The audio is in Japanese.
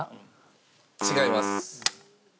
違います。